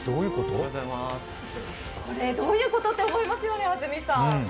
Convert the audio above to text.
どういうこと！？って思いますよね、安住さん。